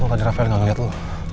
tentu tadi raffael gak ngeliat lo